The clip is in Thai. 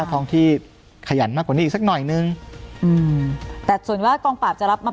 ท้องที่ขยันมากกว่านี้อีกสักหน่อยนึงอืมแต่ส่วนว่ากองปราบจะรับมา